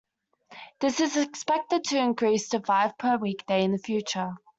This is expected to increase to five per weekday in the future.